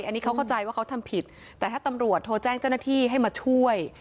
อันนี้เขาเข้าใจว่าเขาทำผิดแต่ถ้าตำรวจโทรแจ้งเจ้าหน้าที่ให้มาช่วย